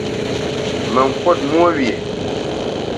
Mə ŋkút mwô wye!